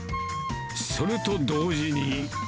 それと同時に。